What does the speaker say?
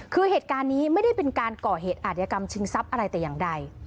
คือเหตุการณ์นี้ไม่ได้เป็นการก่อเหตุอาธิกรรมชิงทรัพย์อะไรแต่อย่างใด